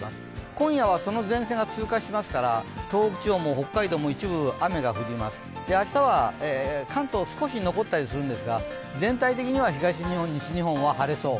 今夜はその前線が通過しますから東北地方も北海道も一部雨が降ります、明日は関東、少し残ったりするんですが、全体的には東日本、西日本は晴れそう。